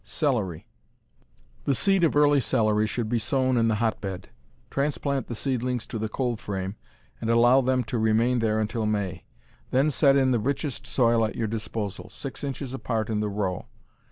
Celery The seed of early celery should be sown in the hotbed. Transplant the seedlings to the cold frame and allow them to remain there until May. Then set in the richest soil at your disposal, six inches apart in the row.